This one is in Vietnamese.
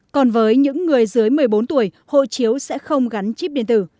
còn với những người dưới một mươi bốn tuổi hộ chiếu sẽ không gắn chip điện tử